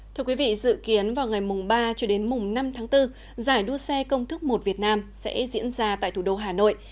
thưa quý vị dự kiến vào ngày ba cho đến mùng năm tháng bốn giải đua xe công thức một việt nam sẽ diễn ra tại thủ đô hà nội